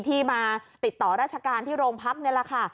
ที่มาติดต่อราชการที่โรงพักนี่แหละค่ะ